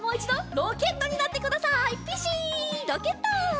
ロケット！